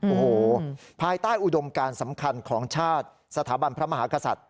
โอ้โหภายใต้อุดมการสำคัญของชาติสถาบันพระมหากษัตริย์